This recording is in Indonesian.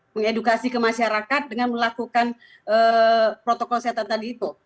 mengedukasi ke masyarakat dengan melakukan protokol kesehatan tadi itu